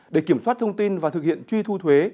để kiểm soát thông tin và thực hiện truy thu thuế